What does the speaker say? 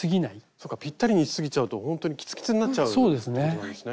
そうかぴったりにしすぎちゃうとほんとにきつきつになっちゃうっていうことなんですね。